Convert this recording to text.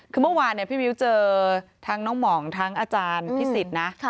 คือเมื่อวานพี่มิ้วเจอทั้งน้องหม่องทั้งอาจารย์พิสิทธิ์นะ